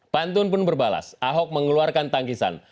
pantun pun berbalas ahok mengeluarkan tangkisan